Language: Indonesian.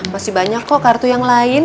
masih banyak kok kartu yang lain